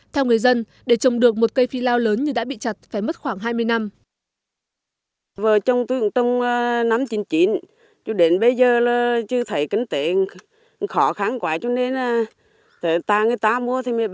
theo người dân để trồng được một cây phi lao lớn như đã bị chặt phải mất khoảng hai mươi năm